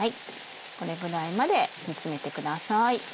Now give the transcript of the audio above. これぐらいまで煮詰めてください。